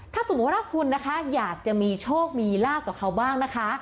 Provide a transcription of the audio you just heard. ถ้าสมมุติว่าคุณนะคะอยากจะมีโชคมีลาบกับเขาบ้างนะคะ